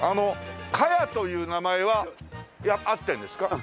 「カヤ」という名前は合ってるんですか？